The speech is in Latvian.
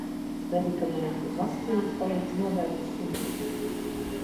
Medikamenti un vakcīnas palīdz novērst slimības.